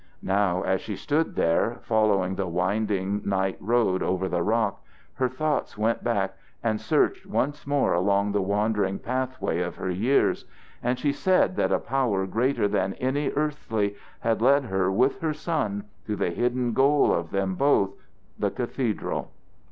Now as she stood there, following the winding night road over the rock, her thoughts went back and searched once more along the wandering pathway of her years; and she said that a Power greater than any earthly had led her with her son to the hidden goal of them both, the cathedral.